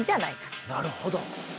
なるほど。